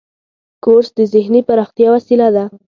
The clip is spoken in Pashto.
کورس د ذهني پراختیا وسیله ده.